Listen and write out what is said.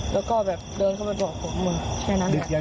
แล้วก็เดินเข้าไปบอกของมึงแค่นั้นแหละ